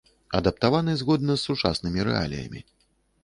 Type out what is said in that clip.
Адаптаваны згодна з сучаснымі рэаліямі.